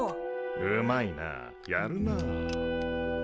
うまいなやるなあ。